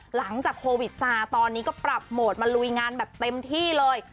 หลังจากโควิดซาตอนนี้ก็ปรับโหมดมาลุยงานแบบเต็มที่เลย